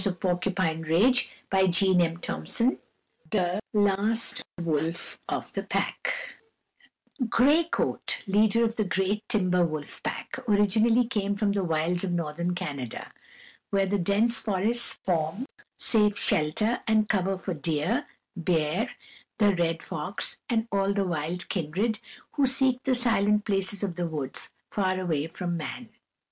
[Illustration: THE LAST WOLF OF THE PACK] VIII THE LAST WOLF OF THE PACK Gray Coat, leader of the great Timber Wolf Pack, originally came from the wilds of Northern Canada, where the dense forests form safe shelter and cover for deer, bear, the red fox, and all the wild kindred who seek the silent places of the woods, far away from man.